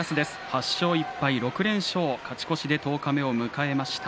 ８勝１敗６連勝勝ち越して十日目を迎えました。